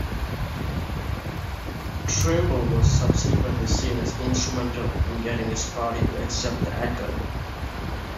Trimble was subsequently seen as instrumental in getting his party to accept the accord.